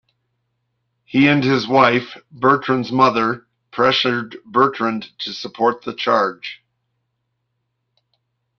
He and his wife, Bertrande's mother, pressured Bertrande to support the charge.